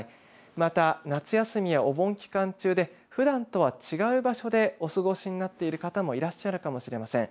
また夏休みやお盆期間中でふだんとは違う場所でお過ごしになっている方もいらっしゃるかもしれません。